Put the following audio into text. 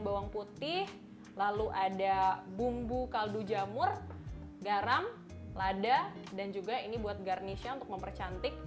bawang putih lalu ada bumbu kaldu jamur garam lada dan juga ini buat garnishnya untuk mempercantik